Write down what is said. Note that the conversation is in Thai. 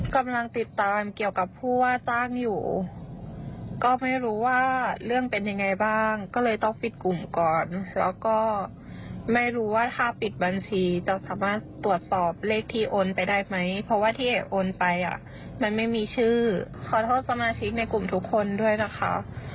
กำลังติดตามเกี่ยวกับผู้ว่าจ้างอยู่ก็ไม่รู้ว่าเรื่องเป็นยังไงบ้างก็เลยต้องปิดกลุ่มก่อนแล้วก็ไม่รู้ว่าค่าปิดบัญชีจะสามารถตรวจสอบเลขที่โอนไปได้ไหมเพราะว่าที่เอ๋โอนไปอ่ะมันไม่มีชื่อขอโทษสมาชิกในกลุ่มทุกคนด้วยนะคะ